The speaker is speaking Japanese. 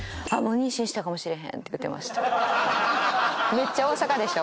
めっちゃ大阪でしょ？